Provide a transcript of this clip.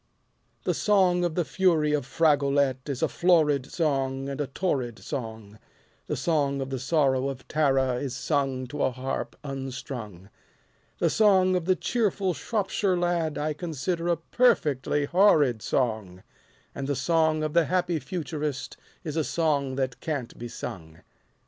The song of the fury of Fragolette is a florid song and a torrid song, The song of the sorrow of Tara is sung to a harp unstrung, The song of the cheerful Shropshire Lad I consider a perfectly horrid song, And the song of the happy Futurist is a song that can't be sung.